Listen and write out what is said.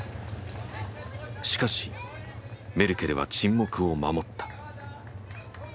しかしメルケルは沈黙を守った。